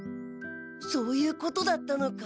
そういうことだったのか。